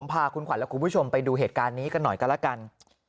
พาคุณขวัญและคุณผู้ชมไปดูเหตุการณ์นี้กันหน่อยกันแล้วกัน